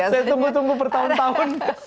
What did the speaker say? saya tunggu tunggu bertahun tahun